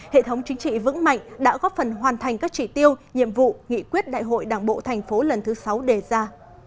hệ thống chính trị vững mạnh đã góp phần hoàn thành các chỉ tiêu nhiệm vụ nghị quyết đại hội đảng bộ thành phố lần thứ sáu đề ra